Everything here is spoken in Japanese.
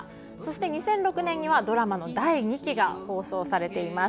２００６年にはドラマの第２期が放送されています。